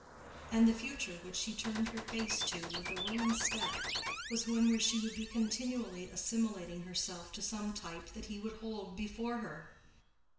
And the future which she turned her face to with a willing step was one where she would be continually assimilating herself to some type that he would hold before her.